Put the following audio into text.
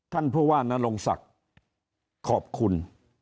ท่านผู้ว่านรงศักดิ์ขอบคุณ